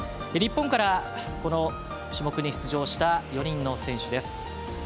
日本からこの種目に出場した４人の選手です。